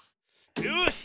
よし。